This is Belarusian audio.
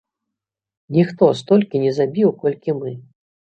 Ніхто столькі не забіў, колькі мы.